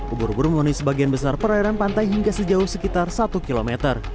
ubur ubur memenuhi sebagian besar perairan pantai hingga sejauh sekitar satu km